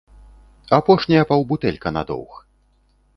Апошняя паўбутэлька на доўг.